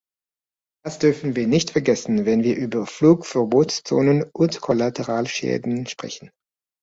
Das dürfen wir nicht vergessen, wenn wir über Flugverbotszonen und Kollateralschäden sprechen.